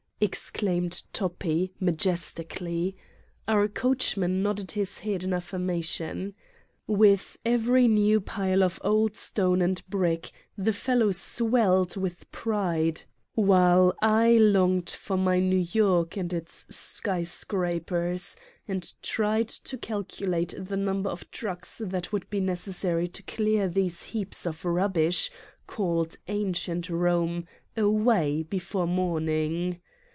exclaimed Toppi, majestically. Our 44 Satan's Diary coachman nodded his head in affirmation. With every new pile of old stone and brick the fellow swelled with pride, while I longed for my New York and its skyscrapers, and tried to calculate the number of trucks that would be necessary to clear these heaps of rubbish called ancient Eome away before morning.